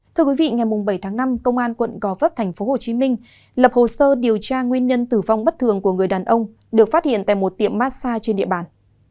thưa quý vị ngày bảy tháng năm công an quận gò vấp tp hcm lập hồ sơ điều tra nguyên nhân tử vong bất thường của người đàn ông được phát hiện tại một tiệm massage trên địa bàn